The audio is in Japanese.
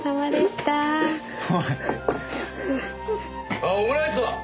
あっオムライスだ！